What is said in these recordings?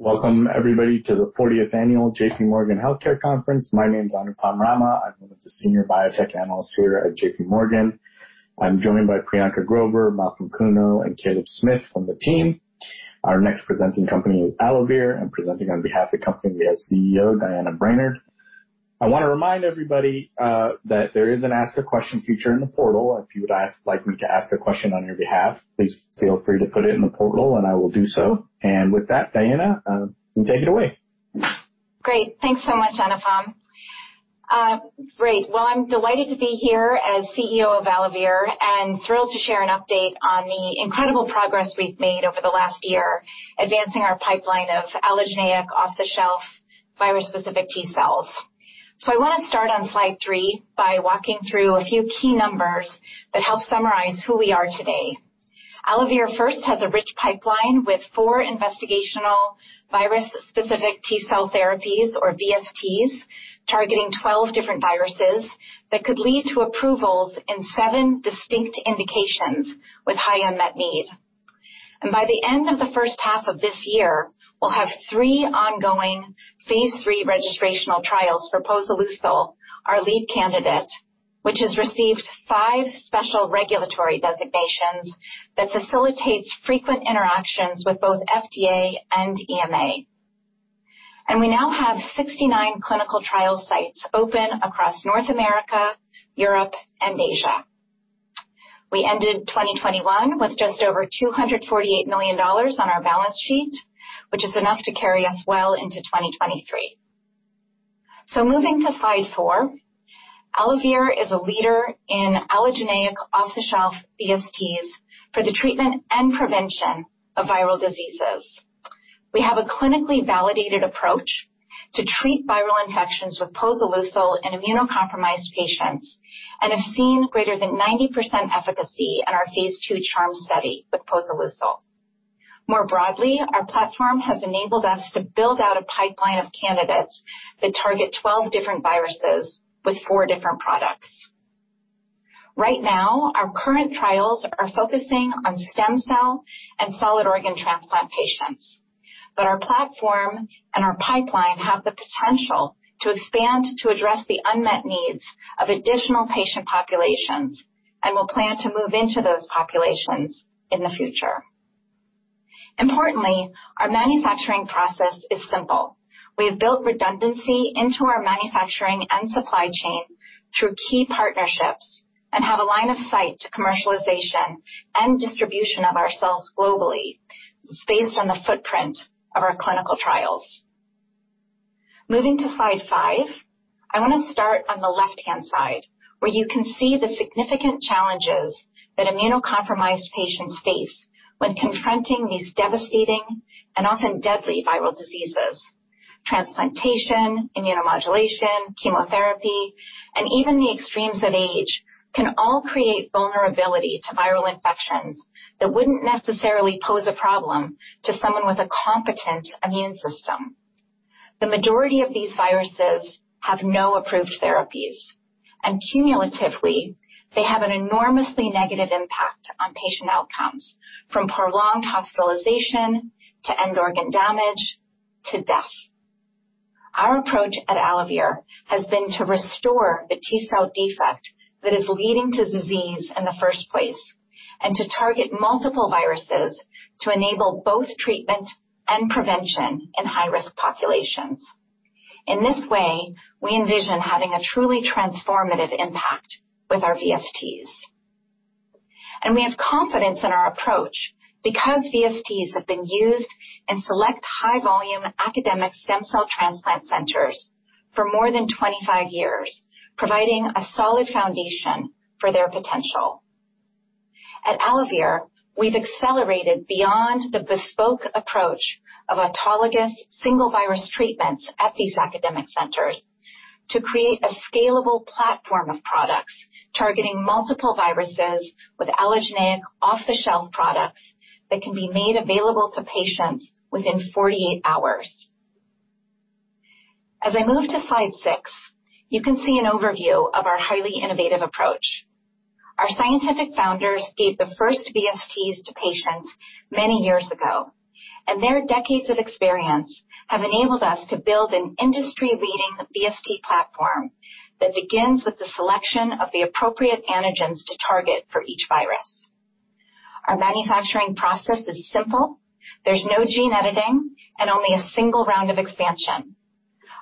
Welcome everybody to the 40th annual J.P. Morgan Healthcare Conference. My name is Anupam Rama. I'm one of the senior biotech analysts here at J.P. Morgan. I'm joined by Priyanka Grover, Malcolm Kuno, and Caleb Smith from the team. Our next presenting company is AlloVir, and presenting on behalf of the company, we have CEO Diana Brainard. I want to remind everybody that there is an ask a question feature in the portal. If you would like me to ask a question on your behalf, please feel free to put it in the portal, and I will do so. With that, Diana, you take it away. Great. Thanks so much, Anupam. Great. Well, I'm delighted to be here as CEO of AlloVir and thrilled to share an update on the incredible progress we've made over the last year, advancing our pipeline of allogeneic off-the-shelf virus-specific T cells. I want to start on slide three by walking through a few key numbers that help summarize who we are today. AlloVir first has a rich pipeline with four investigational virus-specific T cell therapies, or VSTs, targeting 12 different viruses that could lead to approvals in seven distinct indications with high unmet need. By the end of the first half of this year, we'll have three ongoing phase III registrational trials for posoleucel, our lead candidate, which has received five special regulatory designations that facilitates frequent interactions with both FDA and EMA. We now have 69 clinical trial sites open across North America, Europe and Asia. We ended 2021 with just over $248 million on our balance sheet, which is enough to carry us well into 2023. Moving to slide four. AlloVir is a leader in allogeneic off-the-shelf VSTs for the treatment and prevention of viral diseases. We have a clinically validated approach to treat viral infections with posoleucel in immunocompromised patients and have seen greater than 90% efficacy in our phase II CHARMS study with posoleucel. More broadly, our platform has enabled us to build out a pipeline of candidates that target 12 different viruses with four different products. Right now, our current trials are focusing on stem cell and solid organ transplant patients. Our platform and our pipeline have the potential to expand to address the unmet needs of additional patient populations and will plan to move into those populations in the future. Importantly, our manufacturing process is simple. We have built redundancy into our manufacturing and supply chain through key partnerships and have a line of sight to commercialization and distribution of our cells globally. It's based on the footprint of our clinical trials. Moving to slide five. I want to start on the left-hand side, where you can see the significant challenges that immunocompromised patients face when confronting these devastating and often deadly viral diseases. Transplantation, immunomodulation, chemotherapy, and even the extremes of age can all create vulnerability to viral infections that wouldn't necessarily pose a problem to someone with a competent immune system. The majority of these viruses have no approved therapies, and cumulatively, they have an enormously negative impact on patient outcomes, from prolonged hospitalization to end organ damage to death. Our approach at AlloVir has been to restore the T cell defect that is leading to disease in the first place and to target multiple viruses to enable both treatment and prevention in high-risk populations. In this way, we envision having a truly transformative impact with our VSTs. We have confidence in our approach because VSTs have been used in select high volume academic stem cell transplant centers for more than 25 years, providing a solid foundation for their potential. At AlloVir, we've accelerated beyond the bespoke approach of autologous single virus treatments at these academic centers to create a scalable platform of products targeting multiple viruses with allogeneic off-the-shelf products that can be made available to patients within 48 hours. As I move to slide six, you can see an overview of our highly innovative approach. Our scientific founders gave the first VSTs to patients many years ago, and their decades of experience have enabled us to build an industry-leading VST platform that begins with the selection of the appropriate antigens to target for each virus. Our manufacturing process is simple. There's no gene editing and only a single round of expansion.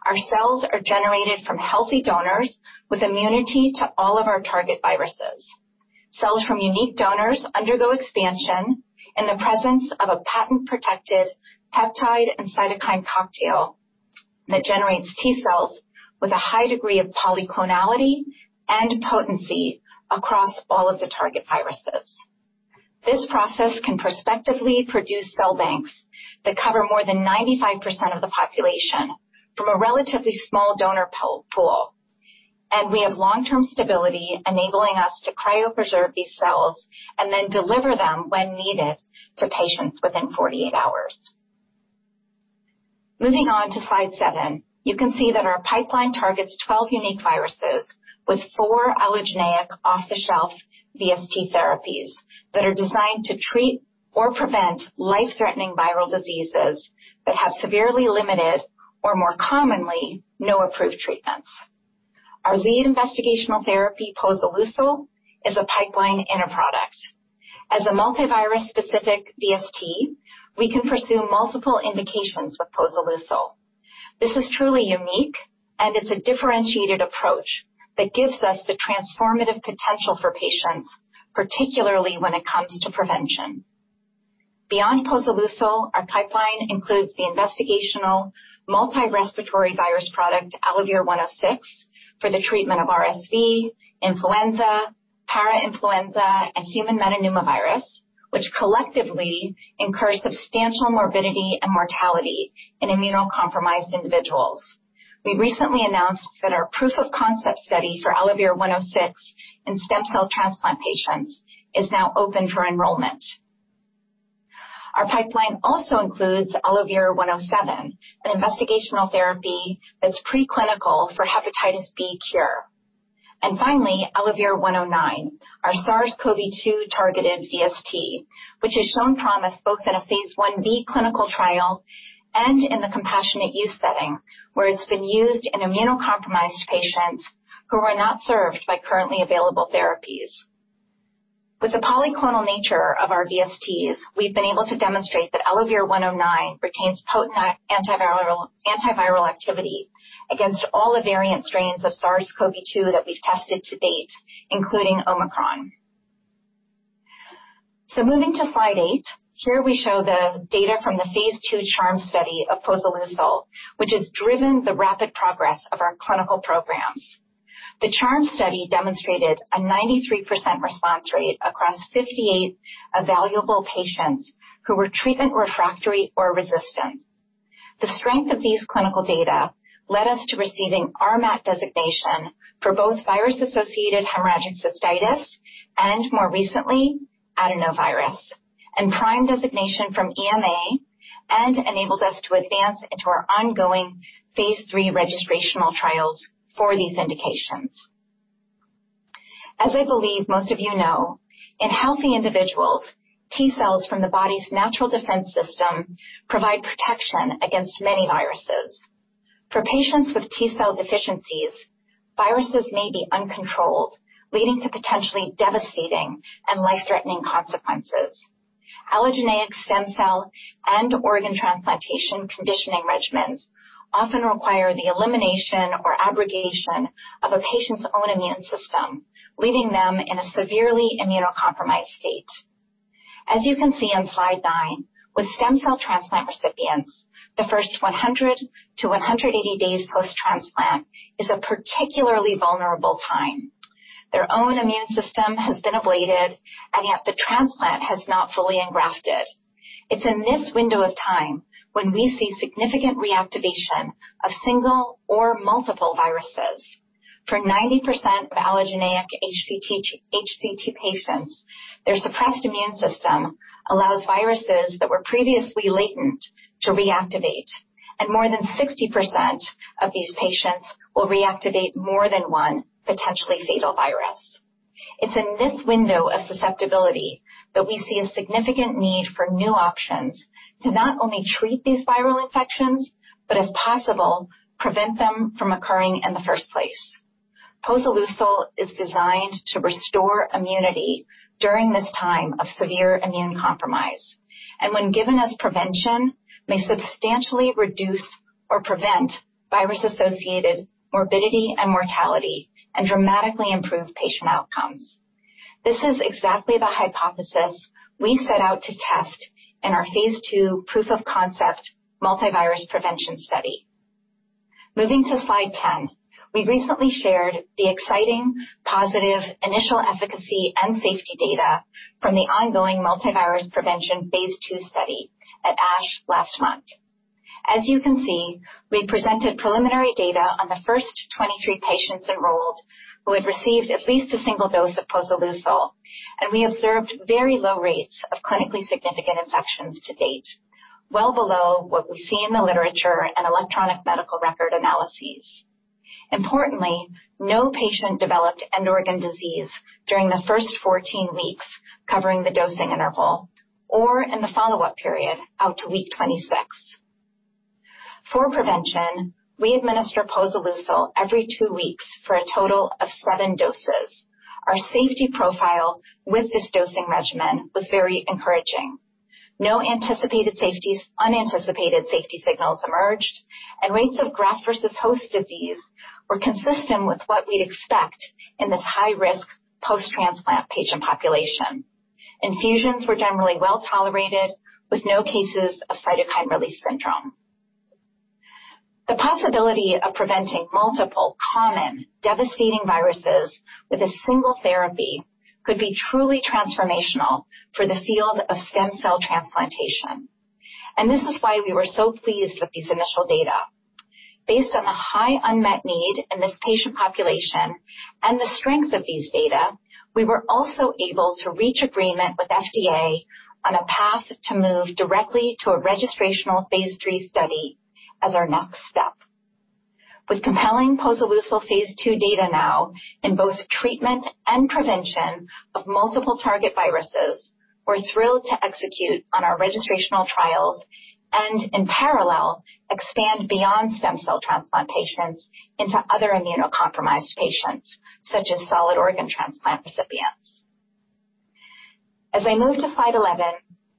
Our cells are generated from healthy donors with immunity to all of our target viruses. Cells from unique donors undergo expansion in the presence of a patent-protected peptide and cytokine cocktail that generates T-cells with a high degree of polyclonal and potency across all of the target viruses. This process can prospectively produce cell banks that cover more than 95% of the population from a relatively small donor pool. We have long-term stability enabling us to cryopreserve these cells and then deliver them when needed to patients within 48 hours. Moving on to slide seven. You can see that our pipeline targets 12 unique viruses with four allogeneic off-the-shelf VST therapies that are designed to treat or prevent life-threatening viral diseases that have severely limited or more commonly, no approved treatments. Our lead investigational therapy, posoleucel, is a pipeline in a product. As a multi-virus specific VST, we can pursue multiple indications with posoleucel. This is truly unique, and it's a differentiated approach that gives us the transformative potential for patients, particularly when it comes to prevention. Beyond posoleucel, our pipeline includes the investigational multi-respiratory virus product, ALVR106, for the treatment of RSV, influenza, parainfluenza, and human metapneumovirus, which collectively incur substantial morbidity and mortality in immunocompromised individuals. We recently announced that our proof of concept study for ALVR106 in stem cell transplant patients is now open for enrollment. Our pipeline also includes ALVR107, an investigational therapy that's preclinical for hepatitis B cure. Finally, ALVR109, our SARS-CoV-2 targeted VST, which has shown promise both in a phase IB clinical trial and in the compassionate use setting where it's been used in immunocompromised patients who are not served by currently available therapies. With the polyclonal nature of our VSTs, we've been able to demonstrate that ALVR109 retains potent antiviral activity against all the variant strains of SARS-CoV-2 that we've tested to date, including Omicron. Moving to slide eight. Here we show the data from the phase II CHARMS study of posoleucel, which has driven the rapid progress of our clinical programs. The CHARMS study demonstrated a 93% response rate across 58 evaluable patients who were treatment refractory or resistant. The strength of these clinical data led us to receiving RMAT designation for both virus-associated hemorrhagic cystitis and more recently, adenovirus, and PRIME designation from EMA, and enabled us to advance into our ongoing phase III registrational trials for these indications. As I believe most of you know, in healthy individuals, T-cells from the body's natural defense system provide protection against many viruses. For patients with T-cell deficiencies, viruses may be uncontrolled, leading to potentially devastating and life-threatening consequences. Allogeneic stem cell and organ transplantation conditioning regimens often require the elimination or abrogation of a patient's own immune system, leaving them in a severely immunocompromised state. As you can see on slide nine, with stem cell transplant recipients, the first 100-180 days post-transplant is a particularly vulnerable time. Their own immune system has been ablated, and yet the transplant has not fully engrafted. It's in this window of time when we see significant reactivation of single or multiple viruses. For 90% of allogeneic HCT patients, their suppressed immune system allows viruses that were previously latent to reactivate. More than 60% of these patients will reactivate more than one potentially fatal virus. It's in this window of susceptibility that we see a significant need for new options to not only treat these viral infections, but if possible, prevent them from occurring in the first place. Posoleucel is designed to restore immunity during this time of severe immune compromise. When given as prevention, may substantially reduce or prevent virus-associated morbidity and mortality, and dramatically improve patient outcomes. This is exactly the hypothesis we set out to test in our phase II proof-of-concept multi-virus prevention study. Moving to slide 10. We recently shared the exciting, positive initial efficacy and safety data from the ongoing multi-virus prevention phase II study at ASH last month. As you can see, we presented preliminary data on the first 23 patients enrolled who had received at least a single dose of posoleucel. We observed very low rates of clinically significant infections to date, well below what we see in the literature and electronic medical record analyses. Importantly, no patient developed end organ disease during the first 14 weeks covering the dosing interval or in the follow-up period out to week 26. For prevention, we administer posoleucel every two weeks for a total of seven doses. Our safety profile with this dosing regimen was very encouraging. No unanticipated safety signals emerged, and rates of graft versus host disease were consistent with what we'd expect in this high-risk post-transplant patient population. Infusions were generally well-tolerated, with no cases of cytokine release syndrome. The possibility of preventing multiple common devastating viruses with a single therapy could be truly transformational for the field of stem cell transplantation. This is why we were so pleased with these initial data. Based on the high unmet need in this patient population and the strength of these data, we were also able to reach agreement with FDA on a path to move directly to a registrational phase III study as our next step. With compelling posoleucel phase II data now in both treatment and prevention of multiple target viruses, we're thrilled to execute on our registrational trials and in parallel, expand beyond stem cell transplant patients into other immunocompromised patients, such as solid organ transplant recipients. As I move to slide 11,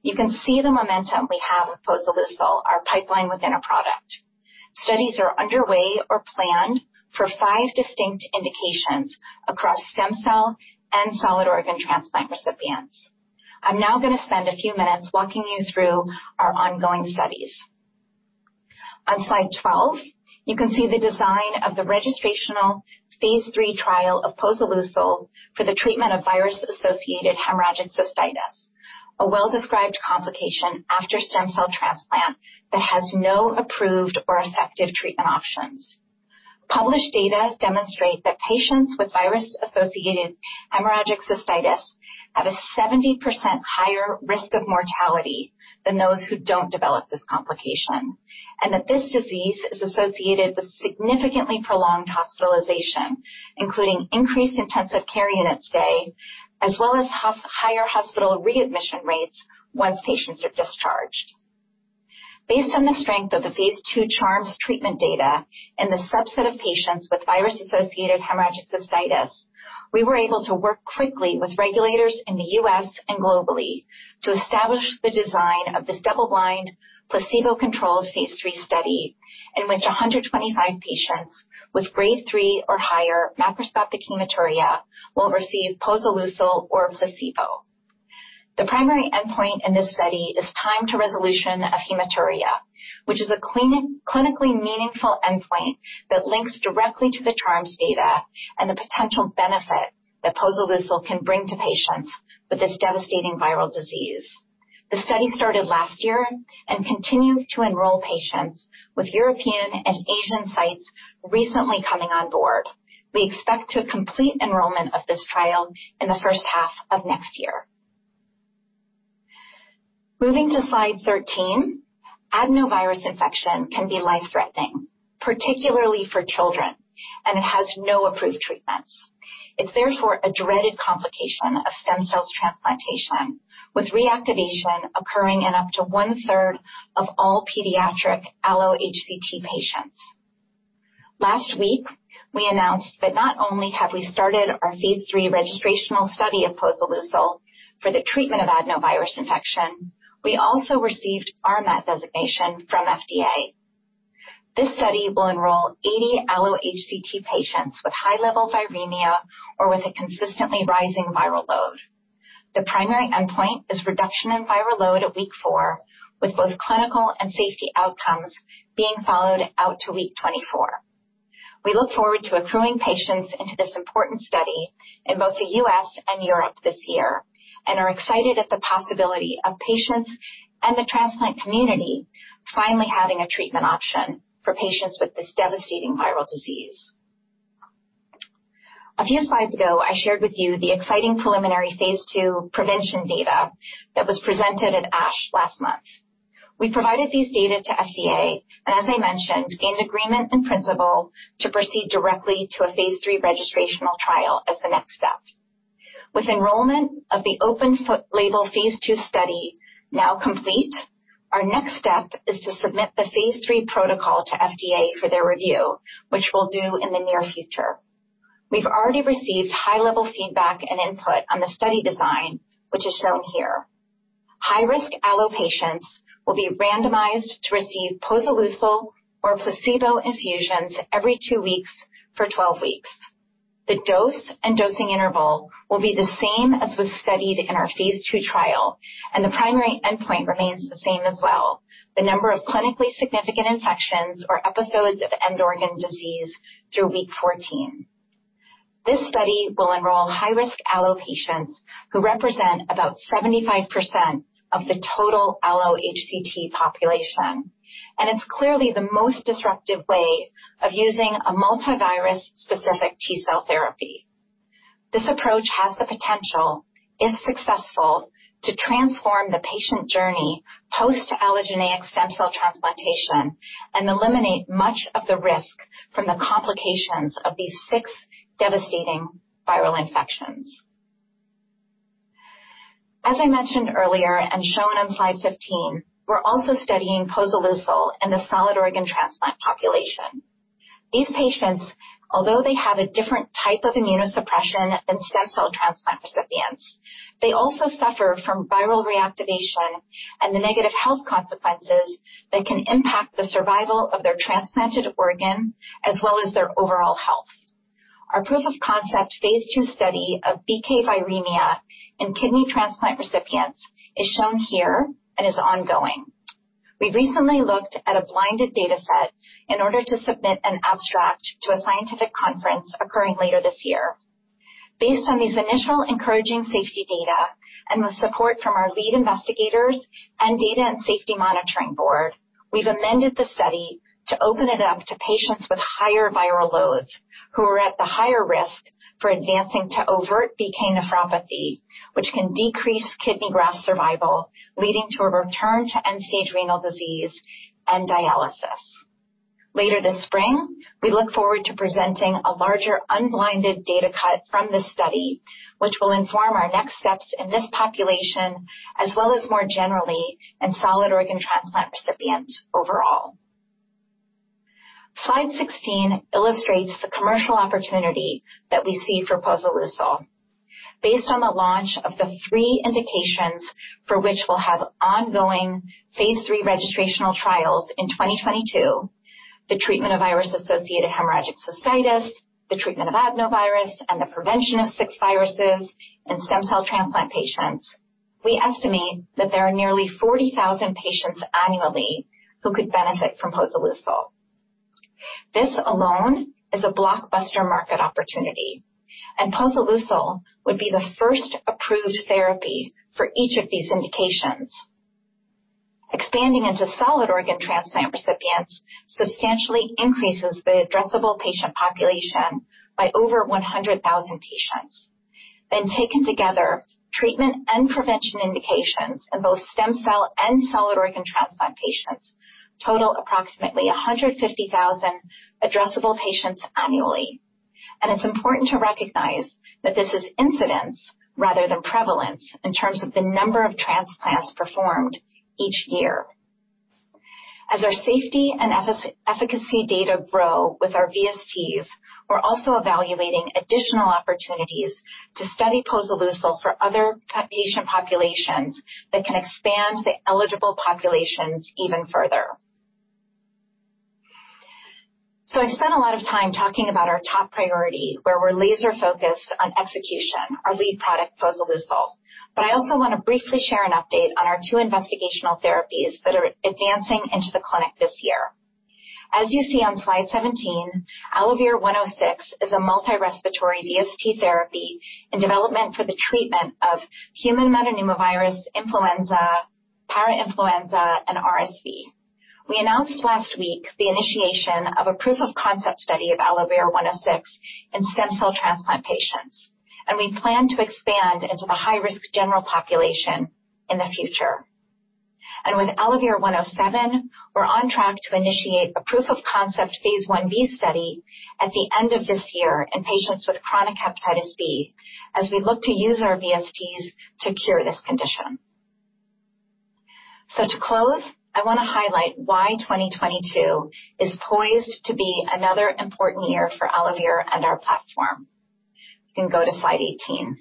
you can see the momentum we have with posoleucel, our pipeline within a product. Studies are underway or planned for five distinct indications across stem cell and solid organ transplant recipients. I'm now going to spend a few minutes walking you through our ongoing studies. On slide 12, you can see the design of the registrational phase III trial of posoleucel for the treatment of virus-associated hemorrhagic cystitis, a well-described complication after stem cell transplant that has no approved or effective treatment options. Published data demonstrate that patients with virus-associated hemorrhagic cystitis have a 70% higher risk of mortality than those who don't develop this complication, and that this disease is associated with significantly prolonged hospitalization, including increased intensive care unit stay, as well as higher hospital readmission rates once patients are discharged. Based on the strength of the phase II CHARMS treatment data in the subset of patients with virus-associated hemorrhagic cystitis, we were able to work quickly with regulators in the U.S. and globally to establish the design of this double-blind, placebo-controlled phase III study in which 125 patients with grade 3 or higher macroscopic hematuria will receive posoleucel or placebo. The primary endpoint in this study is time to resolution of hematuria, which is a clinically meaningful endpoint that links directly to the CHARMS data and the potential benefit that posoleucel can bring to patients with this devastating viral disease. The study started last year and continues to enroll patients with European and Asian sites recently coming on board. We expect to complete enrollment of this trial in the first half of next year. Moving to slide 13. Adenovirus infection can be life-threatening, particularly for children, and it has no approved treatments. It's therefore a dreaded complication of stem cell transplantation, with reactivation occurring in up to one-third of all pediatric allo-HCT patients. Last week, we announced that not only have we started our phase III registrational study of posoleucel for the treatment of adenovirus infection, we also received RMAT designation from FDA. This study will enroll 80 allo-HCT patients with high level viremia or with a consistently rising viral load. The primary endpoint is reduction in viral load at week four, with both clinical and safety outcomes being followed out to week 24. We look forward to accruing patients into this important study in both the U.S. and Europe this year and are excited at the possibility of patients and the transplant community finally having a treatment option for patients with this devastating viral disease. A few slides ago, I shared with you the exciting preliminary phase II prevention data that was presented at ASH last month. We provided these data to FDA and as I mentioned, gained agreement in principle to proceed directly to a phase III registrational trial as the next step. With enrollment of the open-label phase II study now complete, our next step is to submit the phase III protocol to FDA for their review, which we'll do in the near future. We've already received high-level feedback and input on the study design, which is shown here. High-risk allo-HCT patients will be randomized to receive posoleucel or placebo infusions every two weeks for 12 weeks. The dose and dosing interval will be the same as was studied in our phase II trial, and the primary endpoint remains the same as well, the number of clinically significant infections or episodes of end-organ disease through week 14. This study will enroll high-risk allo-HCT patients who represent about 75% of the total allo-HCT population, and it's clearly the most disruptive way of using a multi-virus-specific T-cell therapy. This approach has the potential, if successful, to transform the patient journey post allogeneic stem cell transplantation and eliminate much of the risk from the complications of these six devastating viral infections. As I mentioned earlier and shown on slide 15, we're also studying posoleucel in the solid organ transplant population. These patients, although they have a different type of immunosuppression than stem cell transplant recipients, they also suffer from viral reactivation and the negative health consequences that can impact the survival of their transplanted organ as well as their overall health. Our proof-of-concept phase II study of BK viremia in kidney transplant recipients is shown here and is ongoing. We recently looked at a blinded data set in order to submit an abstract to a scientific conference occurring later this year. Based on these initial encouraging safety data and with support from our lead investigators and data and safety monitoring board, we've amended the study to open it up to patients with higher viral loads who are at the higher risk for advancing to overt BK nephropathy, which can decrease kidney graft survival, leading to a return to end-stage renal disease and dialysis. Later this spring, we look forward to presenting a larger, unblinded data cut from this study, which will inform our next steps in this population, as well as more generally in solid organ transplant recipients overall. Slide 16 illustrates the commercial opportunity that we see for posoleucel. Based on the launch of the three indications for which we'll have ongoing phase III registrational trials in 2022, the treatment of virus-associated hemorrhagic cystitis, the treatment of adenovirus, and the prevention of six viruses in stem cell transplant patients. We estimate that there are nearly 40,000 patients annually who could benefit from posoleucel. This alone is a blockbuster market opportunity, and posoleucel would be the first approved therapy for each of these indications. Expanding into solid organ transplant recipients substantially increases the addressable patient population by over 100,000 patients. Taken together, treatment and prevention indications in both stem cell and solid organ transplant patients total approximately 150,000 addressable patients annually. It's important to recognize that this is incidence rather than prevalence in terms of the number of transplants performed each year. As our safety and efficacy data grow with our VSTs, we're also evaluating additional opportunities to study posoleucel for other patient populations that can expand the eligible populations even further. I spent a lot of time talking about our top priority, where we're laser-focused on execution, our lead product, posoleucel. I also want to briefly share an update on our two investigational therapies that are advancing into the clinic this year. As you see on slide 17, ALVR106 is a multi-respiratory VST therapy in development for the treatment of human metapneumovirus, influenza, parainfluenza, and RSV. We announced last week the initiation of a proof of concept study of ALVR106 in stem cell transplant patients, and we plan to expand into the high-risk general population in the future. With ALVR107, we're on track to initiate a proof of concept phase Ib study at the end of this year in patients with chronic hepatitis B as we look to use our VSTs to cure this condition. To close, I want to highlight why 2022 is poised to be another important year for AlloVir and our platform. You can go to slide 18.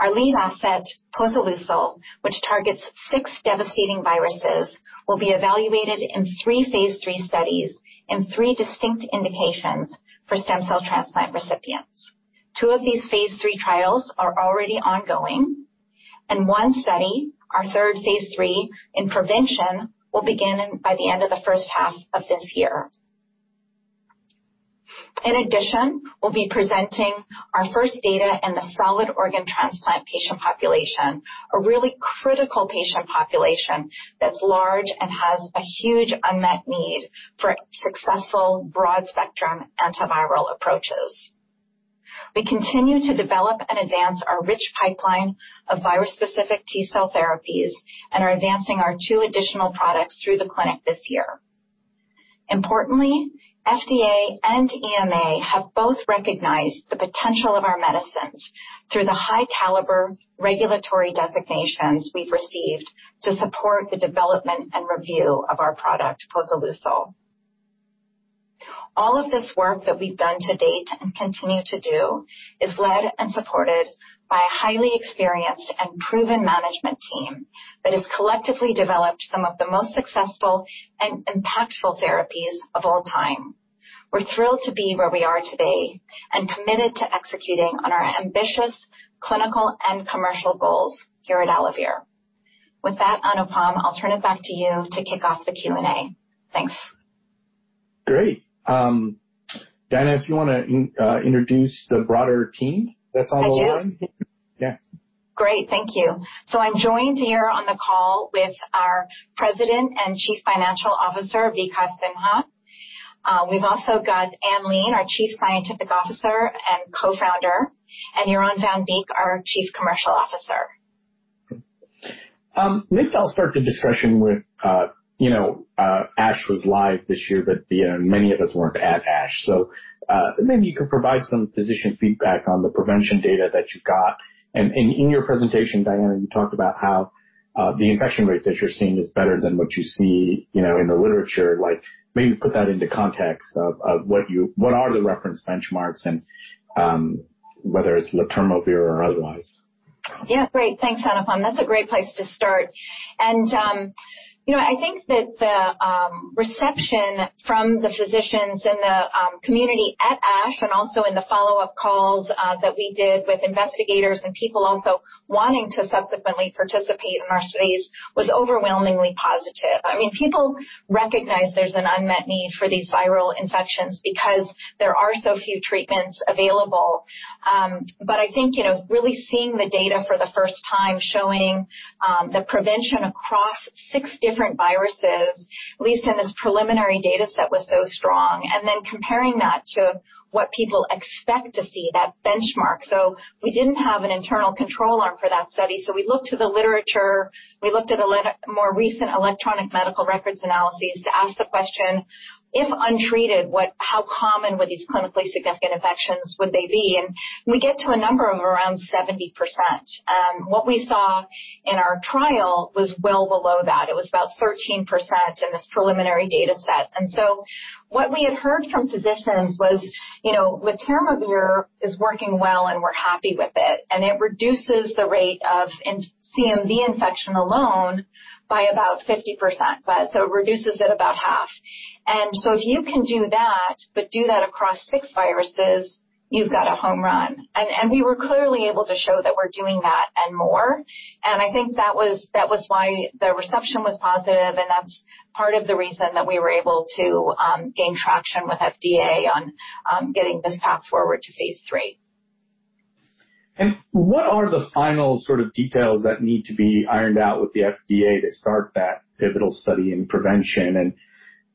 Our lead asset, posoleucel, which targets six devastating viruses, will be evaluated in three phase III studies in three distinct indications for stem cell transplant recipients. Two of these phase III trials are already ongoing, and one study, our third phase III in prevention, will begin by the end of the first half of this year. In addition, we'll be presenting our first data in the solid organ transplant patient population, a really critical patient population that's large and has a huge unmet need for successful broad-spectrum antiviral approaches. We continue to develop and advance our rich pipeline of virus-specific T-cell therapies and are advancing our two additional products through the clinic this year. Importantly, FDA and EMA have both recognized the potential of our medicines through the high caliber regulatory designations we've received to support the development and review of our product, posoleucel. All of this work that we've done to date and continue to do is led and supported by a highly experienced and proven management team that has collectively developed some of the most successful and impactful therapies of all time. We're thrilled to be where we are today and committed to executing on our ambitious clinical and commercial goals here at AlloVir. With that, Anupam, I'll turn it back to you to kick off the Q&A. Thanks. Great. Diana, if you wanna introduce the broader team that's on the line. I do. Yeah. Great. Thank you. I'm joined here on the call with our President and Chief Financial Officer, Vikas Sinha. We've also got Ann Leen, our Chief Scientific Officer and Co-Founder, and Jeroen van Beek, our Chief Commercial Officer. Maybe I'll start the discussion with, you know, ASH was live this year, but, you know, many of us weren't at ASH. Maybe you could provide some physician feedback on the prevention data that you got? In your presentation, Diana, you talked about how the infection rate that you're seeing is better than what you see, you know, in the literature. Like maybe put that into context of what are the reference benchmarks and whether it's letermovir or otherwise? Yeah. Great. Thanks, Anupam. That's a great place to start. You know, I think that the reception from the physicians in the community at ASH and also in the follow-up calls that we did with investigators and people also wanting to subsequently participate in our studies was overwhelmingly positive. I mean, people recognize there's an unmet need for these viral infections because there are so few treatments available. I think, you know, really seeing the data for the first time, showing the prevention across six different viruses, at least in this preliminary data set, was so strong. Comparing that to what people expect to see that benchmark. We didn't have an internal control arm for that study. We looked to the literature. We looked at electronic. More recent electronic medical records analyses to ask the question, if untreated, how common would these clinically significant infections be? We get to a number of around 70%. What we saw in our trial was well below that. It was about 13% in this preliminary data set. What we had heard from physicians was, you know, letermovir is working well, and we're happy with it. It reduces the rate of CMV infection alone by about 50%. It reduces it about half. If you can do that, but do that across six viruses, you've got a home run. We were clearly able to show that we're doing that and more. I think that was why the reception was positive, and that's part of the reason that we were able to gain traction with FDA on getting this fast forward to phase III. What are the final sort of details that need to be ironed out with the FDA to start that pivotal study in prevention and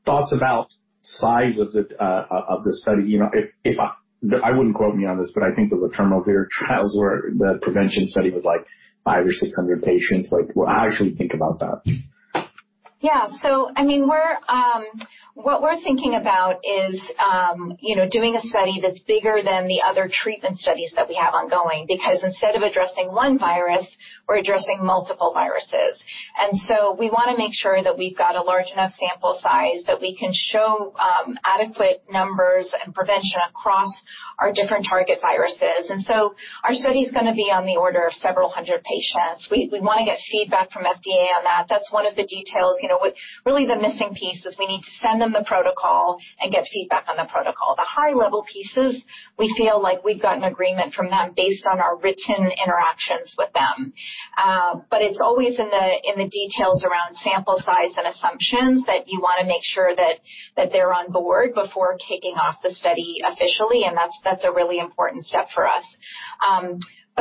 thoughts about size of the study? You know, if I wouldn't quote me on this, but I think those letermovir trials were the prevention study was, like, 500 or 600 patients. Like, what do you actually think about that? I mean, what we're thinking about is, you know, doing a study that's bigger than the other treatment studies that we have ongoing, because instead of addressing one virus, we're addressing multiple viruses. We wanna make sure that we've got a large enough sample size that we can show adequate numbers and prevention across our different target viruses. Our study's gonna be on the order of several hundred patients. We wanna get feedback from FDA on that. That's one of the details. You know, really the missing piece is we need to send them the protocol and get feedback on the protocol. The high level pieces we feel like we've got an agreement from them based on our written interactions with them. It's always in the details around sample size and assumptions that you wanna make sure that they're on board before kicking off the study officially, and that's a really important step for us.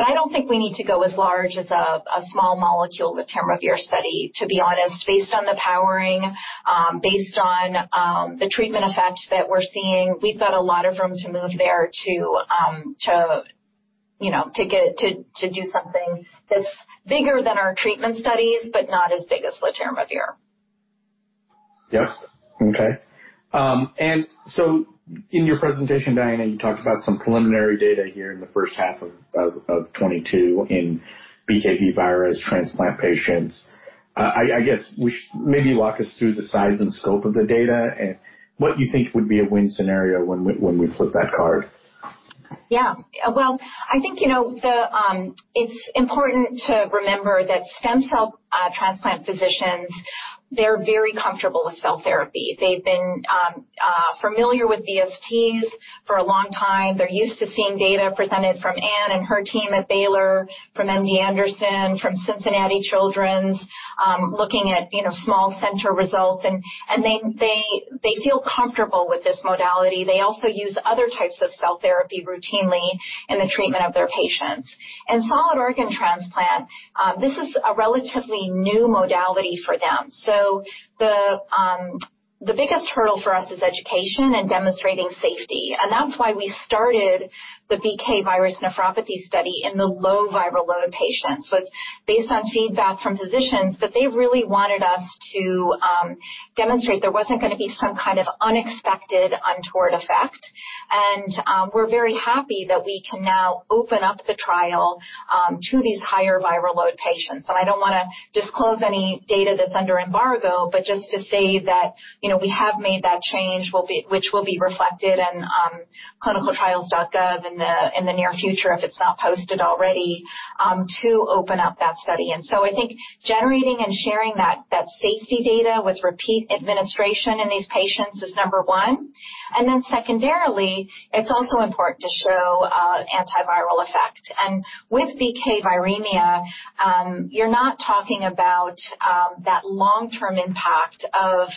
I don't think we need to go as large as a small molecule, the letermovir study, to be honest. Based on the powering, based on the treatment effect that we're seeing, we've got a lot of room to move there to you know to do something that's bigger than our treatment studies, but not as big as letermovir. Yeah. Okay. In your presentation, Diana, you talked about some preliminary data here in the first half of 2022 in BKV virus transplant patients. I guess we should maybe walk us through the size and scope of the data and what you think would be a win scenario when we flip that card? Yeah. Well, I think, you know, the, it's important to remember that stem cell transplant physicians, they're very comfortable with cell therapy. They've been familiar with VSTs for a long time. They're used to seeing data presented from Ann Leen and her team at Baylor, from MD Anderson Cancer Center, from Cincinnati Children's Hospital Medical Center, looking at, you know, small center results. They feel comfortable with this modality. They also use other types of cell therapy routinely in the treatment of their patients. In solid organ transplant, this is a relatively new modality for them. The biggest hurdle for us is education and demonstrating safety. That's why we started the BK Virus Nephropathy study in the low viral load patients. It's based on feedback from physicians that they really wanted us to demonstrate there wasn't gonna be some kind of unexpected untoward effect. We're very happy that we can now open up the trial to these higher viral load patients. I don't wanna disclose any data that's under embargo, but just to say that, you know, we have made that change, which will be reflected in ClinicalTrials.gov in the near future if it's not posted already, to open up that study. I think generating and sharing that safety data with repeat administration in these patients is number one. Then secondarily, it's also important to show antiviral effect. With BK viremia, you're not talking about that long-term impact of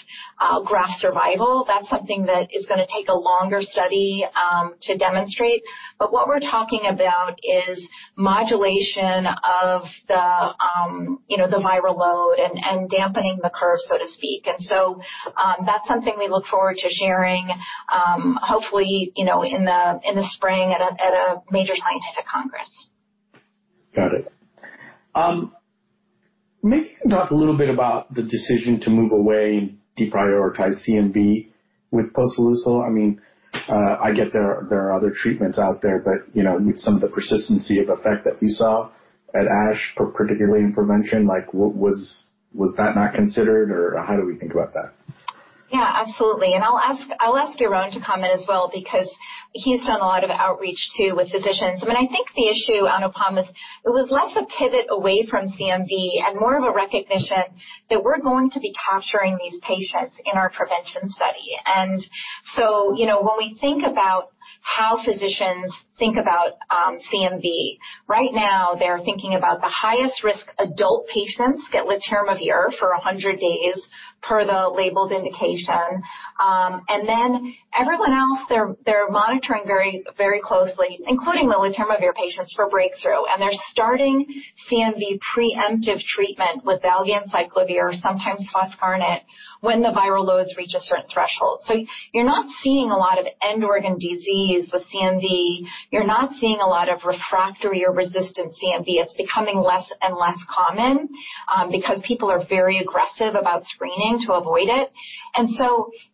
graft survival. That's something that is gonna take a longer study to demonstrate. But what we're talking about is modulation of the, you know, the viral load and dampening the curve, so to speak. That's something we look forward to sharing, hopefully, you know, in the spring at a major scientific congress. Got it. Maybe talk a little bit about the decision to move away and deprioritize CMV with posoleucel. I mean, I get that there are other treatments out there, but, you know, with some of the persistency of effect that we saw at ASH, particularly in prevention, like, was that not considered, or how do we think about that? Yeah, absolutely. I'll ask Jeroen to comment as well because he's done a lot of outreach too with physicians. I mean, I think the issue, Anupam, is it was less a pivot away from CMV and more of a recognition that we're going to be capturing these patients in our prevention study. You know, when we think about how physicians think about CMV, right now, they're thinking about the highest risk adult patients get letermovir for 100 days per the labeled indication. Everyone else, they're monitoring very, very closely, including the letermovir patients for breakthrough. They're starting CMV preemptive treatment with valganciclovir, sometimes foscarnet, when the viral loads reach a certain threshold. You're not seeing a lot of end organ disease with CMV. You're not seeing a lot of refractory or resistant CMV. It's becoming less and less common, because people are very aggressive about screening to avoid it.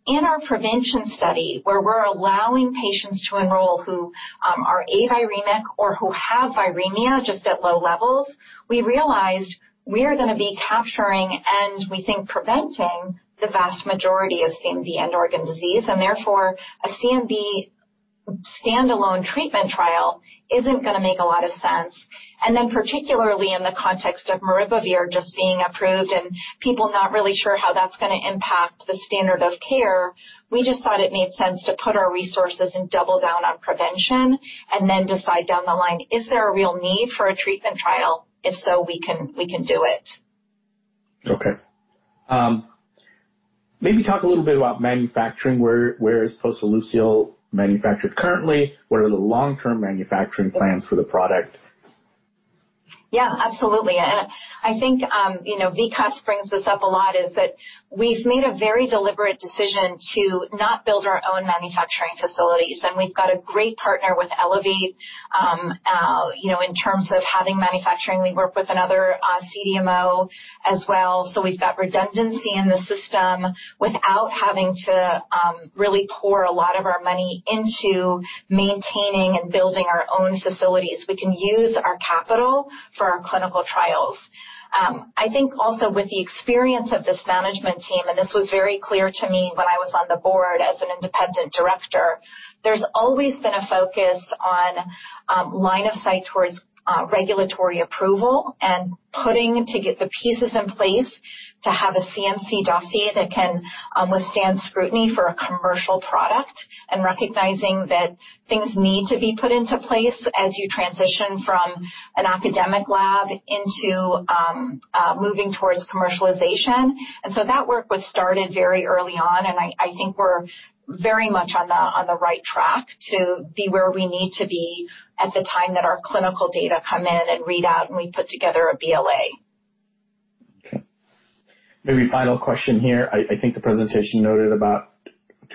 In our prevention study, where we're allowing patients to enroll who are aviremic or who have viremia just at low levels, we realized we're gonna be capturing, and we think preventing the vast majority of CMV end organ disease. Therefore, a CMV standalone treatment trial isn't gonna make a lot of sense. Then particularly in the context of maribavir just being approved and people not really sure how that's gonna impact the standard of care, we just thought it made sense to put our resources and double down on prevention and then decide down the line, is there a real need for a treatment trial? If so, we can do it. Okay. Maybe talk a little bit about manufacturing. Where is posoleucel manufactured currently? What are the long-term manufacturing plans for the product? Yeah, absolutely. I think, you know, Vikas brings this up a lot, is that we've made a very deliberate decision to not build our own manufacturing facilities. We've got a great partner with ElevateBio. You know, in terms of having manufacturing, we work with another CDMO as well. We've got redundancy in the system without having to really pour a lot of our money into maintaining and building our own facilities. We can use our capital for our clinical trials. I think also with the experience of this management team, and this was very clear to me when I was on the board as an independent director, there's always been a focus on line of sight towards regulatory approval and putting together the pieces in place to have a CMC dossier that can withstand scrutiny for a commercial product and recognizing that things need to be put into place as you transition from an academic lab into moving towards commercialization. That work was started very early on, and I think we're very much on the right track to be where we need to be at the time that our clinical data come in and read out, and we put together a BLA. Okay. Maybe final question here. I think the presentation noted about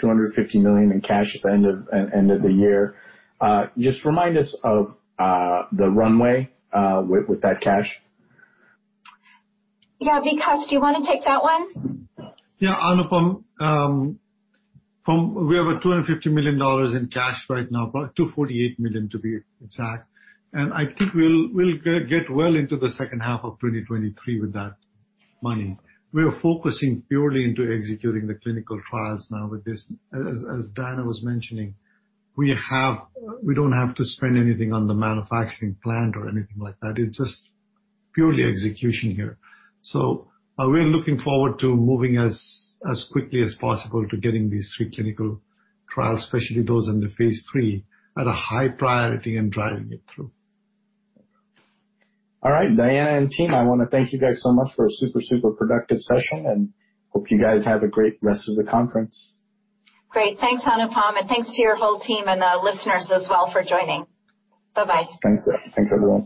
$250 million in cash at the end of the year. Just remind us of the runway with that cash? Yeah. Vikas, do you wanna take that one? Yeah, Anupam. We have $250 million in cash right now, about $248 million, to be exact. I think we'll get well into the second half of 2023 with that money. We are focusing purely into executing the clinical trials now with this. As Diana was mentioning, we don't have to spend anything on the manufacturing plant or anything like that. It's just purely execution here. We're looking forward to moving as quickly as possible to getting these three clinical trials, especially those in phase III, at a high priority and driving it through. All right. Diana and team, I wanna thank you guys so much for a super productive session, and hope you guys have a great rest of the conference. Great. Thanks, Anupam, and thanks to your whole team and, listeners as well for joining. Bye-bye. Thanks. Thanks, everyone.